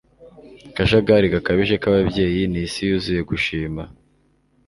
akajagari gakabije k'ababyeyi ni isi yuzuye gushima